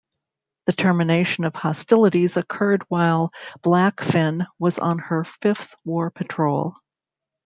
The termination of hostilities occurred while "Blackfin" was on her fifth war patrol.